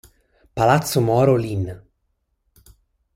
Palazzo Moro Lin